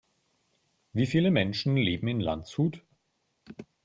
Wie viele Menschen leben in Landshut?